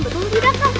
betul tidak kak